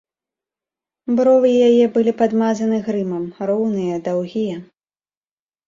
Бровы яе былі падмазаны грымам, роўныя, даўгія.